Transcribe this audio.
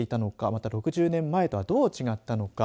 また、６０年前とはどう違ったのか。